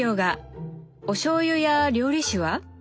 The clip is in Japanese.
おしょうゆや料理酒は？